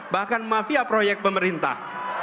bahkan mafia proyek pemerintah